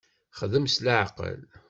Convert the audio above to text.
Xdem s leɛqel.